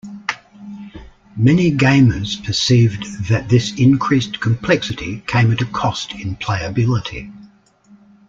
Many gamers perceived that this increased complexity came at a cost in playability.